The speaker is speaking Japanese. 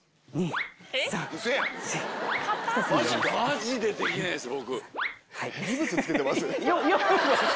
マジでできないんです僕。